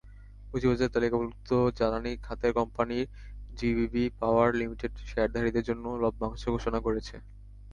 পুঁজিবাজারে তালিকাভুক্ত জ্বালানি খাতের কোম্পানি জিবিবি পাওয়ার লিমিটেড শেয়ারধারীদের জন্য লভ্যাংশ ঘোষণা করেছে।